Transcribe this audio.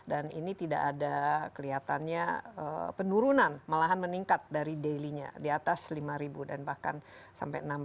dan ini tidak ada kelihatannya penurunan malahan meningkat dari daily nya di atas lima dan bahkan sampai enam